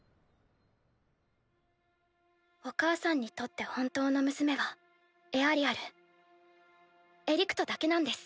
お母さんにとって本当の娘はエアリアルエリクトだけなんです。